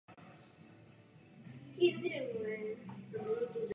Vždy jej užívaly a dodnes užívají například luteránské národní církve ve Skandinávii.